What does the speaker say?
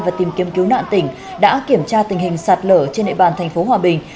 và tìm kiếm cứu nạn tỉnh đã kiểm tra tình hình sạt lở trên địa bàn thành phố hòa bình